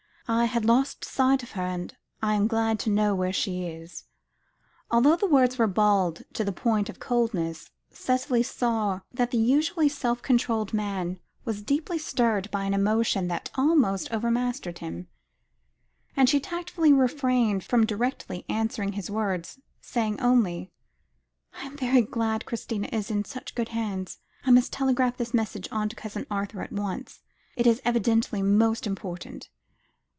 I had lost sight of her, and I am glad to know where she is." Although the words were bald to the point of coldness, Cicely saw that the usually self controlled man was deeply stirred by an emotion that almost overmastered him, and she tactfully refrained from directly answering his words, saying only "I am very glad Christina is in such good hands. I must telegraph this message on to Cousin Arthur at once. It is evidently most important."